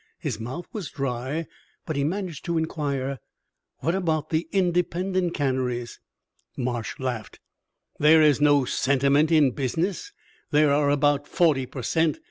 His mouth was dry, but he managed to inquire: "What about the independent canneries?" Marsh laughed. "There is no sentiment in business! There are about forty per cent.